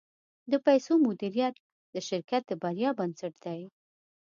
د پیسو مدیریت د شرکت د بریا بنسټ دی.